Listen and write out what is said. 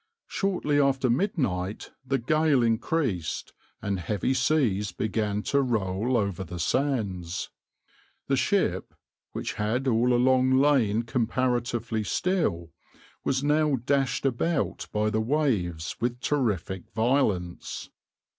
Shortly after midnight the gale increased, and heavy seas began to roll over the sands. The ship, which had all along lain comparatively still, was now dashed about by the waves with terrific violence.